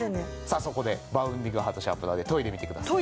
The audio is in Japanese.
さあそこでバウンディングハートシャープナーで研いでみてください。